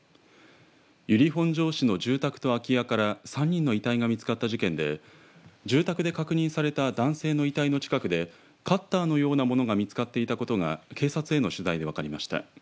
由利本荘市の住宅と空き家から３人が遺体で見つかった事件で住宅で確認された男性の遺体の近くでカッターのようなものが見つかっていたことが警察への取材で分かりました。